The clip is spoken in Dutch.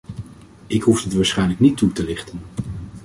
Ik hoef dit waarschijnlijk niet toe te lichten.